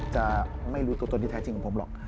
จะไม่รู้ตัวตนที่แท้จริงของผมหรอก